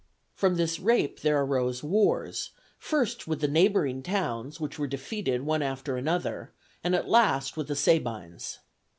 From this rape there arose wars, first with the neighboring towns, which were defeated one after another, and at last with the Sabines.